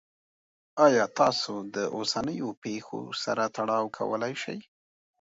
ایا تاسو دا د اوسنیو پیښو سره تړاو کولی شئ؟